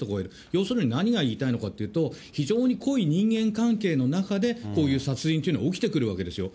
要するに何が言いたいのかっていうと、非常に濃い人間関係の中でこういう殺人っていうのは起きてくるわけですよ。